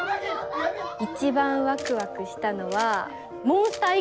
一番ワクワクしたのはモンスター一家の年。